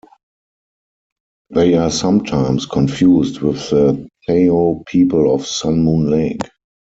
They are sometimes confused with the Thao people of Sun Moon Lake.